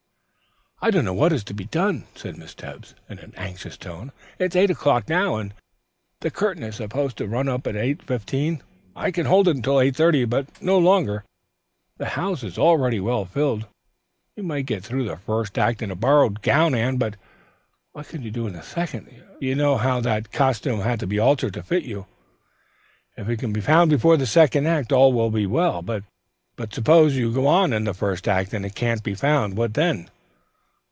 "I don't know what is to be done, I'm sure," said Miss Tebbs in an anxious tone. "It is eight o'clock now and the curtain is supposed to run up at 8.15. I can hold it until 8.30, but no longer. The house is already well filled. You might get through the first act in a borrowed gown, Anne, but what can you do in the second? You know how that costume had to be altered to fit you. If it can be found before the second act, all will be well, but suppose you go on in the first act, and it can't be found, what then?